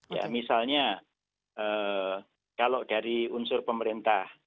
ya misalnya kalau dari unsur pemerintah